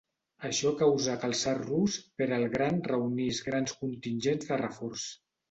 Això causà que el Tsar rus, Pere el Gran reunís grans contingents de reforç.